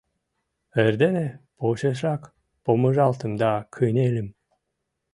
Эрдене почешрак помыжалтым да кынельым.